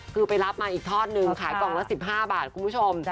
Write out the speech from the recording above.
คือไปรับมาอีกทอดนึงขายกล่องละ๑๕บาทคุณผู้ชม